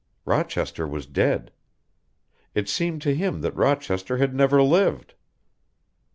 Rochester was dead. It seemed to him that Rochester had never lived.